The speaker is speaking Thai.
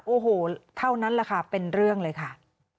โอ้โหเท่านั้นแหละค่ะเป็นเรื่องเลยค่ะ